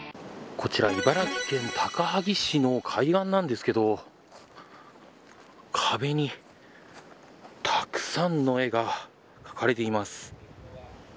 こちら茨城県高萩市の海岸なんですけど壁にたくさんの絵が描かれています。